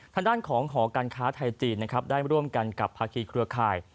ทางด้านของหอการค้าไทยจีนนะครับได้ร่วมกันกับภาคีเครือข่าย